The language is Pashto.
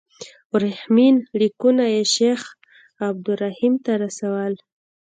ورېښمین لیکونه یې شیخ عبدالرحیم ته رسول.